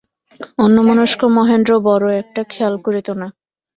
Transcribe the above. অন্যমনস্ক মহেন্দ্র বড়ো-একটা খেয়াল করিত না।